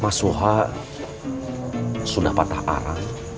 mas suha sudah patah arang